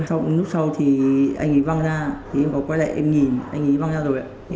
sau lúc sau thì anh ấy văng ra thì em có quay lại em nhìn anh ấy văng ra rồi ạ